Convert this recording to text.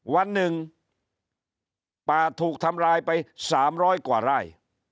วันหนึ่งป่าถูกทำลายไป๓๐๐กว่าไร่